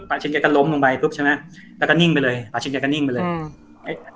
อาชิตแกก็ล้มลงไปปุ๊บใช่ไหมแล้วก็นิ่งไปเลยปลาชิ้นแกก็นิ่งไปเลยอืม